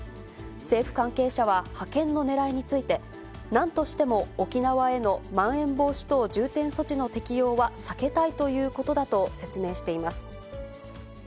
政府関係者は派遣のねらいについて、なんとしても沖縄へのまん延防止等重点措置の適用は避けたいということだと説明しています。